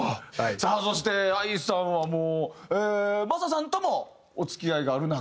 さあそして愛さんはもうマサさんともお付き合いがある中。